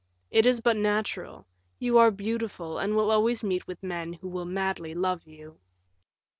It is but natural; you are beautiful, and will always meet with men who will madly love you."